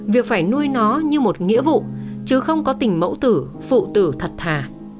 việc phải nuôi nó như một nghĩa vụ chứ không có tình mẫu tử phụ tử thật thà